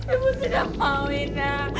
ibu sudah mau ina